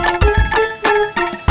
udah janjangnya dibawa semua